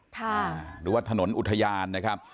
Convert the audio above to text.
หรือว่าถนนอุทยานนะครับ